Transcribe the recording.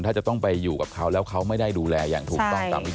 ถ้าจะต้องไปอยู่กับเขาแล้วเขาไม่ได้ดูแลอย่างถูกต้องตามวิธี